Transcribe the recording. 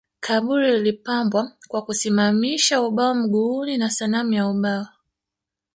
Kaburi lilipambwa kwa kusimamisha ubao mguuni na sanamu ya ubao